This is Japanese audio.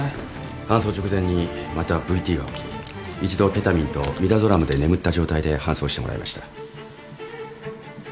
搬送直前にまたＶＴが起き一度ケタミンとミダゾラムで眠った状態で搬送してもらいました。